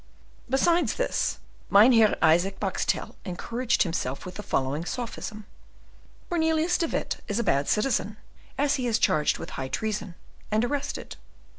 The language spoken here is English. Besides this, Mynheer Isaac Boxtel encouraged himself with the following sophism: "Cornelius de Witt is a bad citizen, as he is charged with high treason, and arrested.